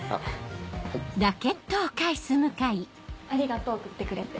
ありがとう送ってくれて。